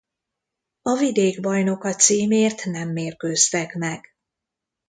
A vidék bajnoka címért nem mérkőztek meg.